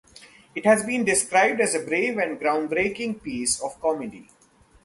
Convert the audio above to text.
It has been described as a brave and groundbreaking piece of comedy.